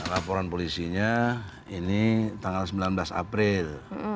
laporan polisinya ini tanggal sembilan belas april